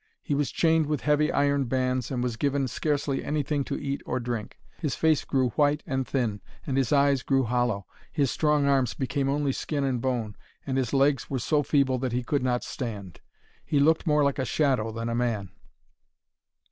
He was chained with heavy iron bands, and was given scarcely anything to eat or to drink. His face grew white and thin, and his eyes grew hollow. His strong arms became only skin and bone, and his legs were so feeble that he could not stand. He looked more like a shadow than a man.